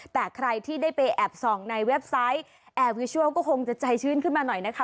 แต่ใครที่ได้ไปแอบส่องในเว็บไซต์แอร์วิชัลก็คงจะใจชื่นขึ้นมาหน่อยนะคะ